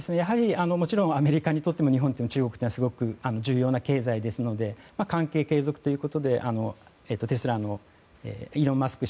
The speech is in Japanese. もちろんアメリカにとっても日本にとっても中国というのは重要な経済ですので関係継続ということでテスラのイーロン・マスク